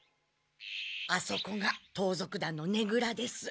あそこが盗賊団のねぐらです。